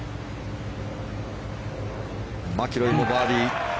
マキロイもバーディー。